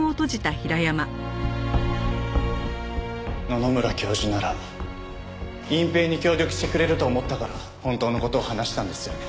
野々村教授なら隠蔽に協力してくれると思ったから本当の事を話したんですよね？